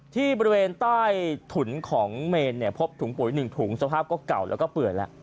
ที่บริเวณใต้ถุนของเมนเนี่ยพบถุงปุ๋ย๑ถุงสภาพก็เก่าแล้วก็เปื่อยแล้ว